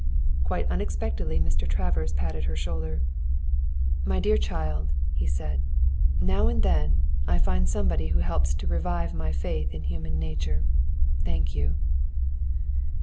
Quite unexpectedly Mr. Travers patted her shoulder. "My dear child," he said, "now and then I find somebody who helps to revive my faith in human nature. Thank you."